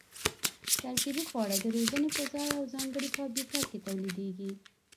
ترکیبي خواړه د روزنې په ځای او ځانګړې فابریکه کې تولیدېږي.